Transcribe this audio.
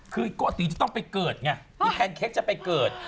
คือตรีจะต้องไปเกิดไงแหแลกเค็กจะไปเกิด